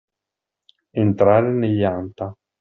Entrare negli anta.